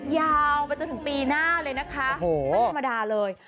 ยาวไปจนถึงปีหน้าเลยนะคะไม่ธรรมดาเลย